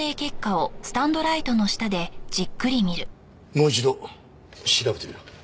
もう一度調べてみろ。